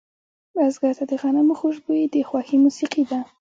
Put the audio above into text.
بزګر ته د غنمو خوشبويي د خوښې موسیقي ده